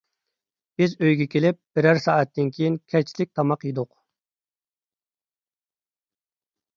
بىز ئۆيگە كېلىپ، بىرەر سائەتتىن كېيىن كەچلىك تاماق يېدۇق.